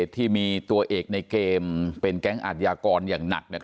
ที่มีตัวเอกในเกมเป็นแก๊งอาทยากรอย่างหนัก